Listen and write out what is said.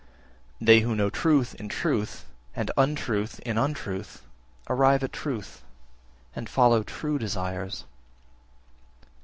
12. They who know truth in truth, and untruth in untruth, arrive at truth, and follow true desires.